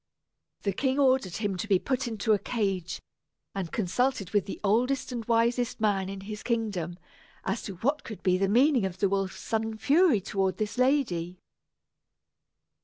The king ordered him to be put into a cage, and consulted with the oldest and wisest man in his kingdom, as to what could be the meaning of the wolf's sudden fury toward this lady.